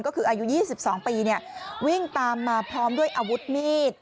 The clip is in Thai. ก็คืออายุ๒๒ปีวิ่งตามมาพร้อมด้วยอาวุธมีด